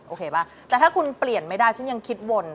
โอเคป่ะแต่ถ้าคุณเปลี่ยนไม่ได้ฉันยังคิดวน